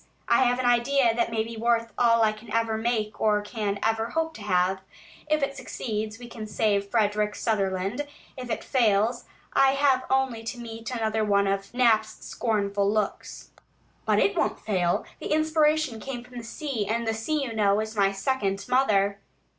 I have an idea that may be worth all I can ever make or can ever hope to have. If it succeeds, we save Frederick Sutherland; if it fails, I have only to meet another of Knapp's scornful looks. But it won't fail; the inspiration came from the sea, and the sea, you know, is my second mother!"